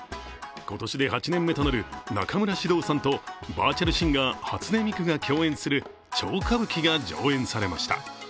今年で８年目となる中村獅童さんとバーチャルシンガー・初音ミクが共演する「超歌舞伎」が上演されました。